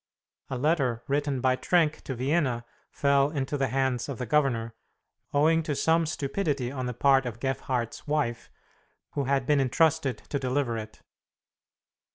A letter written by Trenck to Vienna fell into the hands of the governor, owing to some stupidity on the part of Gefhardt's wife, who had been intrusted to deliver it.